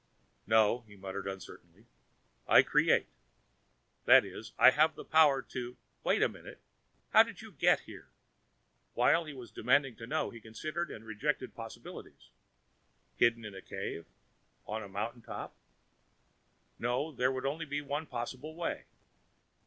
"No," he muttered uncertainly. "I create. That is, I have the power to wait a minute! How did you get here?" While he was demanding to know, he was considering and rejecting possibilities. Hidden in a cave? On a mountain top? No, there would be only one possible way....